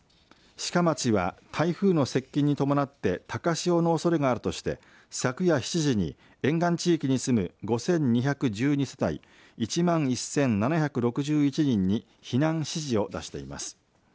志賀町は台風の接近に伴って高潮のおそれがあるとして昨夜７時に沿岸地域に住む５２１２世帯１万１７６１人に避難指示を出しています。